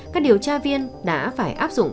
các điều tra viên đã phải áp dụng